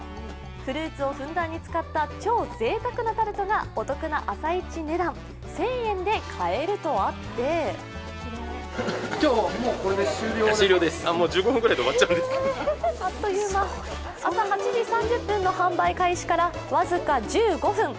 フルーツをふんだんに使った超ぜいたくなタルトがお得な朝市値段、１０００円で買えるとあって朝８時３０分の販売開始から僅か１５分。